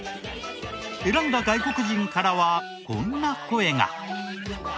選んだ外国人からはこんな声が。